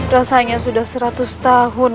rasanya sudah seratus tahun